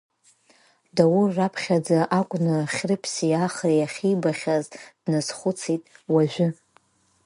Даур раԥхьаӡа акәны Хьрыԥси Ахреи ахьибахьаз дназхәыцит уажәы.